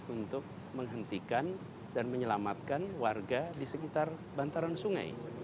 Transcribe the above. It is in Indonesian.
untuk menghentikan dan menyelamatkan warga di sekitar bantaran sungai